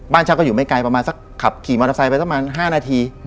บ้านเช่าก็อยู่ไม่ไกลขับขี่มอเตอร์ไซด์ไปสัก๕นาที